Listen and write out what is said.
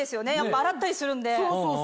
洗ったりするんで。